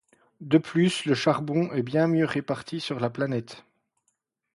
De plus, le charbon est bien mieux réparti sur la planète.